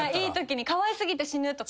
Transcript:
「かわい過ぎてしぬ」とか。